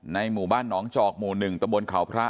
หมู่บ้านหนองจอกหมู่๑ตะบนเขาพระ